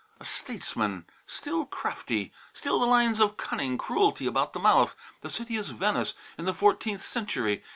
A statesman, still crafty, still the lines of cunning cruelty about the mouth. The city is Venice in the fourteenth century.